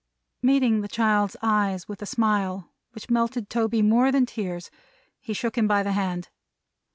Meeting the child's eyes with a smile which melted Toby more than tears, he shook him by the hand.